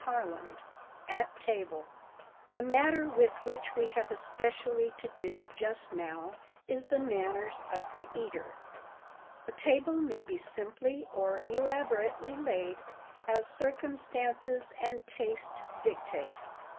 CHAPTER XXII AT TABLE THE matter with which we have especially to do just now is the manners of the eater. The table may be simply or elaborately laid, as circumstances and taste dictate.